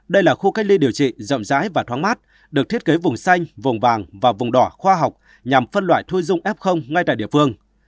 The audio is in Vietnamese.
đây là khu cách ly điều trị rộng rãi và thoáng mát được thiết kế vùng xanh vùng vàng và vùng đỏ khoa học nhằm phân loại thôi dung f ngay tại địa phương